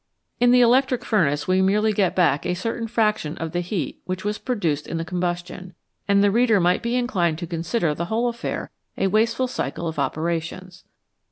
In the electric furnace we merely get back a certain fraction of the heat which was produced in the combustion, and the reader might be inclined to consider the whole affair a wasteful cycle of opera tions.